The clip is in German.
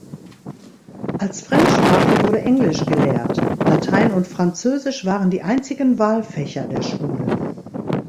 Als Fremdsprache wurde Englisch gelehrt; Latein und Französisch waren die einzigen Wahlfächer der Schule.